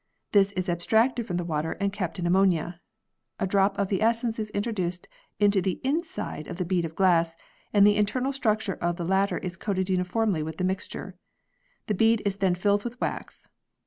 This is abstracted from the water and kept in ammonia. A drop of the essence is introduced into the inside of the bead of glass and the internal surface of the latter coated uniformly with the mixture. The bead is then filled with wax.